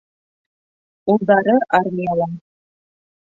Улдары армияла.